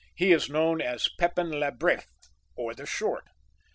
He is Tmown as Pepin le Bref, or the Short.